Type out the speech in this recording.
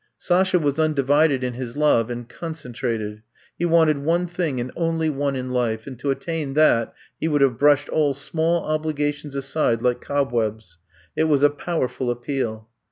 Sasha was undivided in his love and con centrated. He wanted one thing and only one in life and to attain that he would have brushed all small obligations aside like cob webs. It was a powerful appeal.